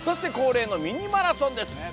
恒例のミニマラソンです。